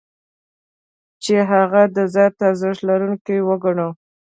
چې هغه د ذاتي ارزښت لرونکی وګڼو.